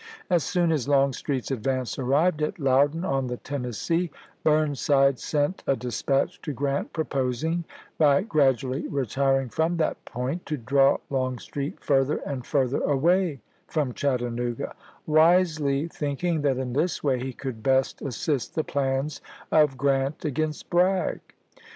As soon as Longstreet's advance arrived at Loudon on the Tennessee, Burnside sent a dis patch to Grant proposing, by gradually retiring from that point, to draw Longstreet further and further away from Chattanooga, wisely thinking that in this way he could best assist the plans of Grant against Bragg.